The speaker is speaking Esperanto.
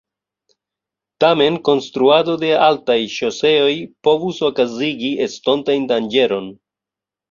Tamen konstruado de altaj ŝoseoj povus okazigi estontajn danĝeron.